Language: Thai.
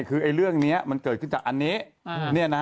คือเรื่องนี้มันเกิดขึ้นจากอันนี้